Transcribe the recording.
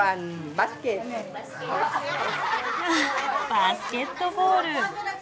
バスケットボール。